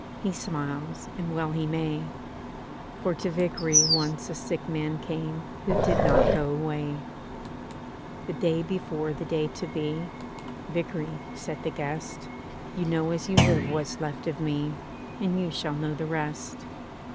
He smiles, and well he may; For to Vickery once a sick man came Who did not go away/ The day before the day to be, "Vickery/' said the guest, "You know as you Uve what's left of And you shall know the rest.